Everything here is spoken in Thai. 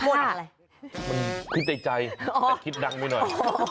มันคิดใจใจแต่คิดดังไม่หน่อย